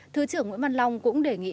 thứ trưởng nguyễn văn long cũng đề nghị